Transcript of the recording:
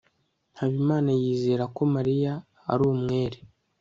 habimana yizeraga ko mariya ari umwere